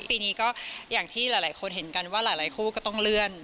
ปีนี้ก็อย่างที่หลายคนเห็นกันว่าหลายคู่ก็ต้องเลื่อน